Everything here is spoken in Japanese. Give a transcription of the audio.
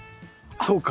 そうか。